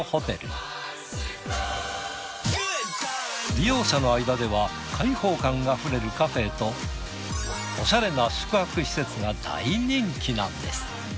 利用者のあいだでは開放感あふれるカフェとおしゃれな宿泊施設が大人気なんです。